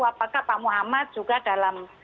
apakah pak muhammad juga dalam